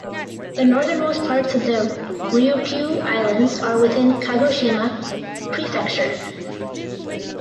The northernmost parts of the Ryukyu Islands are within Kagoshima Prefecture.